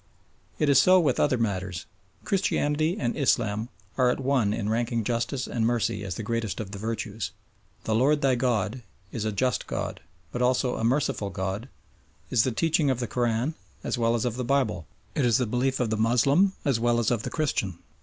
It is so with other matters. Christianity and Islam are at one in ranking Justice and Mercy as the greatest of the virtues. "The Lord thy God" is "a just God," but also "a merciful God" is the teaching of the Koran as well as of the Bible. It is the belief of the Moslem as well as of the Christian.